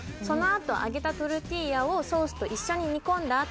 そのあと揚げたトルティーヤをソースと一緒に煮込んだ